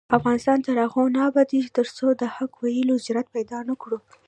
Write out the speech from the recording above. افغانستان تر هغو نه ابادیږي، ترڅو د حق ویلو جرات پیدا نکړو.